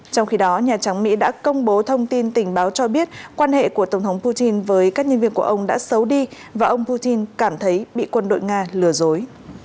trong khi đó nhà trắng mỹ đã công bố thông tin tình báo cho biết quan hệ của tổng thống putin với các nhân viên của ông đã xấu đi và ông putin cảm thấy bị quân đội nga lừa dối